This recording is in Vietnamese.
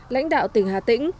lãnh đạo tỉnh hà tĩnh